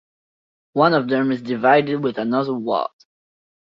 One of them is divided with another ward.